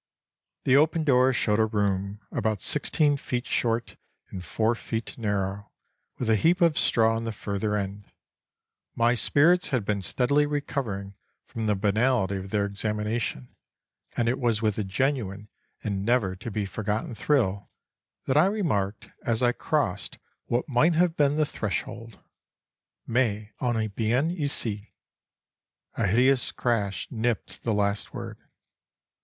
The opened door showed a room, about sixteen feet short and four feet narrow, with a heap of straw in the further end. My spirits had been steadily recovering from the banality of their examination; and it was with a genuine and never to be forgotten thrill that I remarked, as I crossed what might have been the threshold: "Mais, on est bien ici." A hideous crash nipped the last word.